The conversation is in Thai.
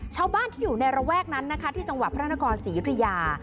ชาวบ้านที่อยู่ในระแวกนั้นนะคะที่จังหวัดพระนครศรียุธยา